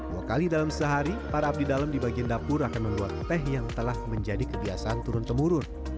dua kali dalam sehari para abdi dalam di bagian dapur akan membuat teh yang telah menjadi kebiasaan turun temurun